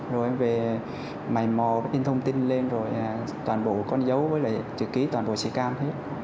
rồi em về mây mò in thông tin lên rồi toàn bộ con dấu với lại chữ ký toàn bộ xe cam hết